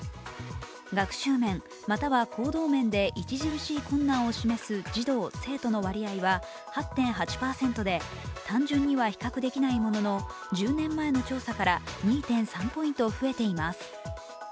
学習面または行動面で著しい困難を示す児童・生徒の割合は８．８％で単純には比較できないものの、１０年前の調査から２．３ポイント増えています。